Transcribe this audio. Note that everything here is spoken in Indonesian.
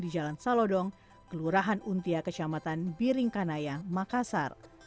jalan salodong kelurahan untia kecamatan biringkanaya makassar